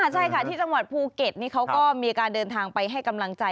ใช่ค่ะที่จังหวัดภูเก็ตนี่เขาก็มีการเดินทางไปให้กำลังใจ